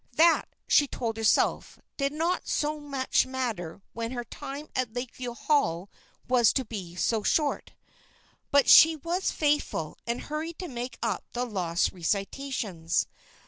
That, she told herself, did not so much matter when her time at Lakeview Hall was to be so short. But she was faithful, and hurried to make up the lost recitations.